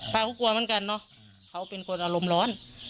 ป้าก็กลัวเหมือนกันเนอะเขาเป็นคนอารมณ์ร้อน